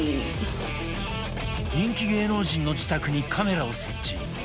人気芸能人の自宅にカメラを設置